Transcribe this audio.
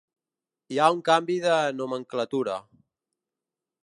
Hi ha un canvi de nomenclatura.